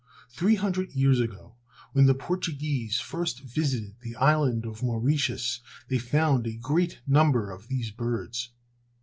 Three hundred years ago, when the Portuguese first visited the Island of Mauritius, they found a great number of these birds.